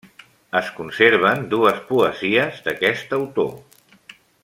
Es conserven dues poesies d'aquest autor.